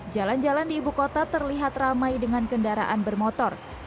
jalan jalan di ibu kota terlihat ramai dengan kendaraan bermotor